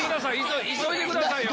急いでくださいよ！